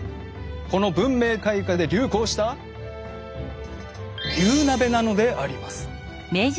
この文明開化で流行した牛鍋なのであります。